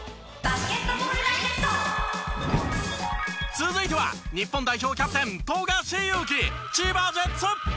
続いては日本代表キャプテン富樫勇樹千葉ジェッツ。